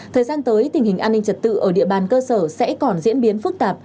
thời gian tới tình hình an ninh trật tự ở địa bàn cơ sở sẽ còn diễn biến phức tạp